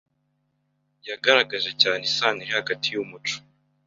yaragaragaje cyane isano iri hagati y’umuco